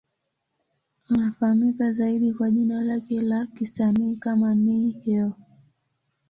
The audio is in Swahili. Anafahamika zaidi kwa jina lake la kisanii kama Ne-Yo.